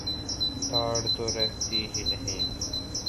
دھاڑ تو رہتی ہی نہیں۔